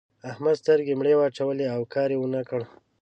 احمد سترګې مړې واچولې؛ او کار يې و نه کړ.